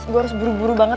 gue harus buru buru banget